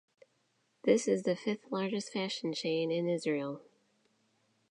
This is the fifth largest fashion chain in Israel.